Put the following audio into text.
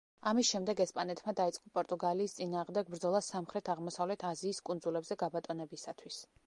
ამის შემდეგ ესპანეთმა დაიწყო პორტუგალიის წინააღმდეგ ბრძოლა სამხრეთ-აღმოსავლეთ აზიის კუნძულებზე გაბატონებისათვის.